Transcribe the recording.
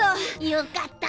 よかった！